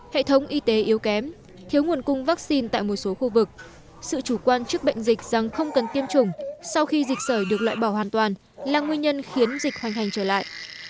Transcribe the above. hệ thống y tế yếu kém thiếu nguồn cung vaccine tại một số khu vực sự chủ quan trước bệnh dịch rằng không cần tiêm chủng sau khi dịch sởi được loại bỏ hoàn toàn là nguyên nhân khiến dịch hoành hành trở lại